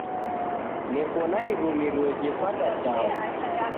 Neko na irumirio jepata chaghu.